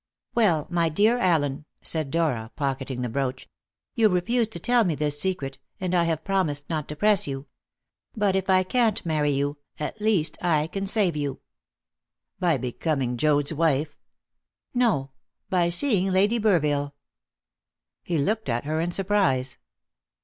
"Well, my dear Allen," said Dora, pocketing the brooch, "you refuse to tell me this secret, and I have promised not to press you. But if I can't marry you, at least I can save you." "By becoming Joad's wife?" "No; by seeing Lady Burville." He looked at her in surprise.